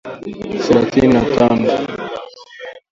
thelathini na tano